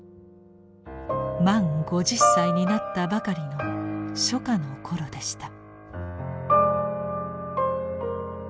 満５０歳になったばかりの初夏の頃でした。